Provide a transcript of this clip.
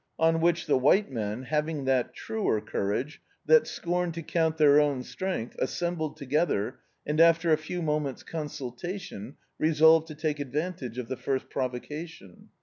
On which the white men, having that truer courage that scorned to count their own strength, assembled together, and after a few mo ment^ consultation, resolved to take advantage of the first provocation.